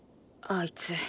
あいつ。